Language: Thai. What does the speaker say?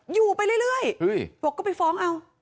อยู่ไปเรื่อยบอกก็ไปฟ้องเอา